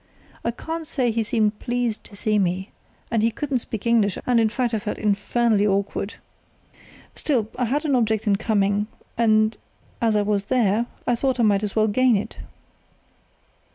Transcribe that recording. I can't say he seemed pleased to see me, and he couldn't speak English, and, in fact, I felt infernally awkward. Still, I had an object in coming, and as I was there I thought I might as well gain it."